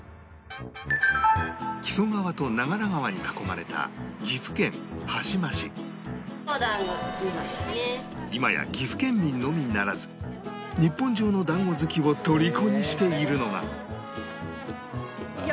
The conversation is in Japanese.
木曽川と長良川に囲まれた今や岐阜県民のみならず日本中の団子好きをとりこにしているのが